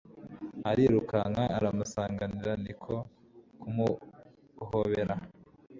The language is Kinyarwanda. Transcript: arirukanka aramusanganira, ni ko kumuhobera